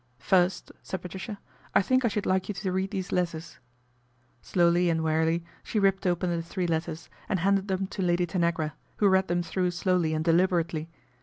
" First," said Patricia, " I think I should like you to read these letters." Slowly and wearily she ripped open the three letters and handed them to Lady Tanagra, who read them through slowly and deliberately.